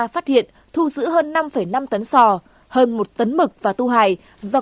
phát hiện thu giữ hơn năm năm tấn sò hơn một tấn mực và tu hải do các đối tượng vận chuyển từ các khuôn